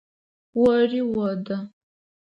Ори одэ.